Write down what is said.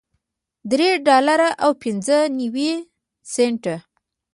درې ډالره او پنځه نوي سنټه